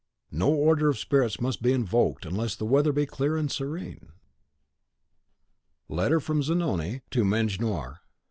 (No order of spirits must be invoked unless the weather be clear and serene.) Letter from Zanoni to Mejnour.